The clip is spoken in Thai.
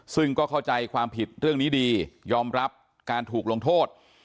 ซึ่งก็เข้าใจความผิดเรื่องนี้ดียอมรับการถูกลงโทษ